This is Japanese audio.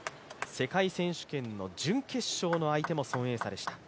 世界選手権の準決勝の相手も孫エイ莎でした。